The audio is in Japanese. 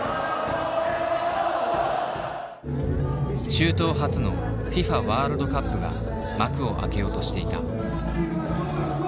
中東初のＦＩＦＡワールドカップが幕を開けようとしていた。